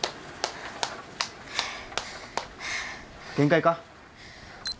限界か？